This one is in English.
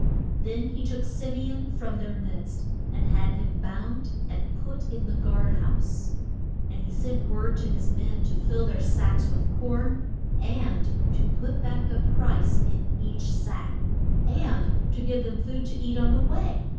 Then he took Sim e on from their midst, and had him bound, and put in the guard house. And he sent word to his men to fill their sacks with corn, and to put back the price in each sack, and to give them food to eat on the way.